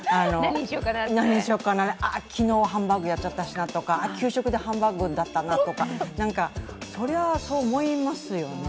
何にしようか、昨日はハンバーグやっちゃったしなとか給食でハンバーグだったなとか、それは思いますよね。